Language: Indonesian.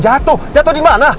jatuh jatuh dimana